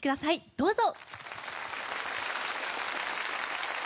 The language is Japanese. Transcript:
どうぞ。